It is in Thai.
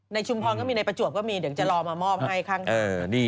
ในชุมพรก็มีในประจวกก็มีเดี๋ยวจะรอมามอบให้ครั้งนี้